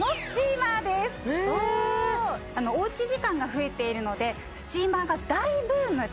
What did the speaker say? おうち時間が増えているのでスチーマーが大ブームで